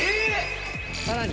さらに！